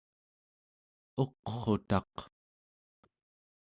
uqrutaq²